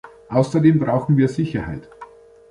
Außerdem brauchen wir Sicherheit.